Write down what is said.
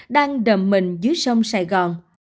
đang đầm mình dưới sông sài gòn